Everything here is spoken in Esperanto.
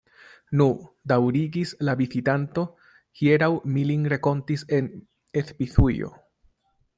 Nu, daŭrigis la vizitanto, hieraŭ mi lin renkontis en Svisujo.